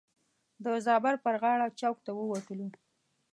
د زابر پر غاړه چوک ته ووتلو.